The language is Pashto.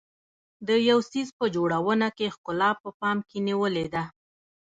د یو څیز په جوړونه کې ښکلا په پام کې نیولې ده.